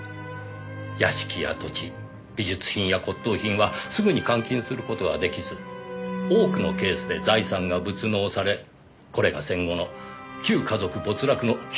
屋敷や土地美術品や骨董品はすぐに換金する事は出来ず多くのケースで財産が物納されこれが戦後の旧華族没落の引き金を引いたのです。